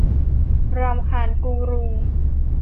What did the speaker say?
รำคาญกูรู